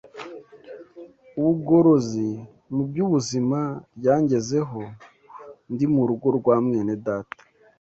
Ubugorozi mu by’ubuzima ryangezeho ndi mu rugo rwa Mwenedata